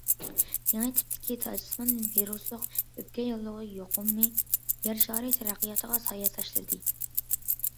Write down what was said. يېڭى تىپتىكى تاجسىمان ۋىرۇسلۇق ئۆپكە ياللۇغى يۇقۇمى يەر شارى تەرەققىياتىغا سايە تاشلىدى.